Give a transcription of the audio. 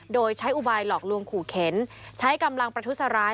โดยใช้อุบายหลอกลวงขู่เข็นใช้กำลังประทุษร้าย